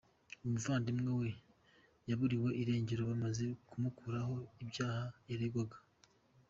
Umuvandimwe we yaburiwe irengero bamaze kumukuraho ibyaha yaregwaga.